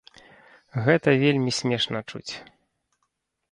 Гэта вельмі смешна чуць.